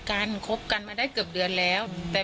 ของกันเนี่ยล่ะค่ะ